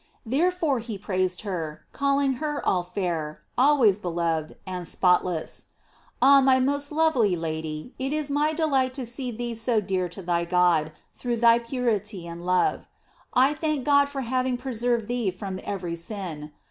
Therefore he praised her, calling her all fair, always beloved, and spotless. Ah, my most lovely Lady, it is my delight to see thee so dear to thy God through thy purity and beauty. I thank God for having preserved thee from every sin.